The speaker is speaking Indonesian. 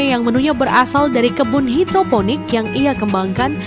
yang menunya berasal dari kebun hidroponik yang ia kembangkan